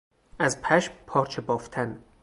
از پشم پارچه بافتن